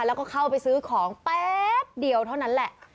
แล้วก็เข้าไปซื้อของแป๊บเดียวเท่านั้นแหละ